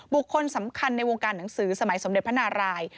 บุคคลสำคัญในวงการหนังสือสมัยสมเด็จพระนาราย